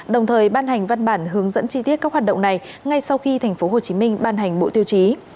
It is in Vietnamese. đồng thời ban hành văn bản hướng dẫn chi tiết các hoạt động này ngay sau khi thành phố hồ chí minh ban hành bộ tiêu chí